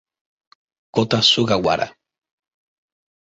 Kota Sugawara